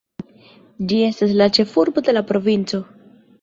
Ĝi estas la ĉefurbo de la provinco.